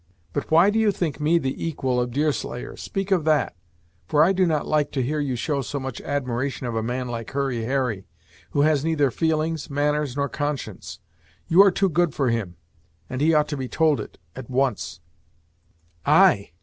But why do you think me the equal of Deerslayer speak of that, for I do not like to hear you show so much admiration of a man like Hurry Harry, who has neither feelings, manners, nor conscience. You are too good for him, and he ought to be told it, at once." "I!